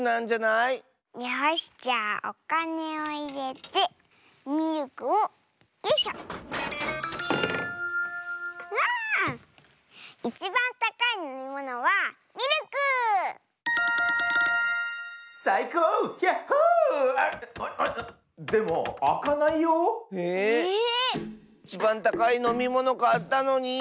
いちばんたかいのみものかったのに。